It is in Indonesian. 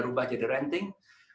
berubah jadi renting